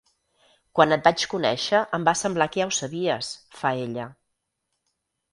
Quan et vaig conèixer em va semblar que ja ho sabies, fa ella.